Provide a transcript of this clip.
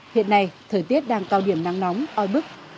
hiện nay thời tiết đang cao điểm nắng nóng oi bức